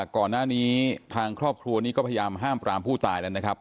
ก่อนหน้านี้ทางครอบครัวนี้ก็พยายามห้ามปรามผู้ตายแล้วนะครับ